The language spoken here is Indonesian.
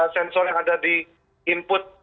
sensor yang ada di input